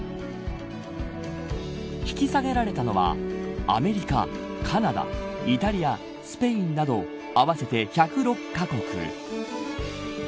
引き下げられたのは、アメリカカナダ、イタリア、スペインなど合わせて１０６カ国。